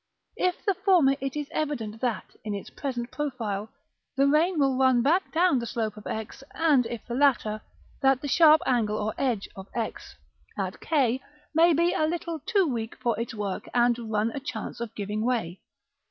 If the former, it is evident that, in its present profile, the rain will run back down the slope of X; and if the latter, that the sharp angle or edge of X, at k, may be a little too weak for its work, and run a chance of giving way.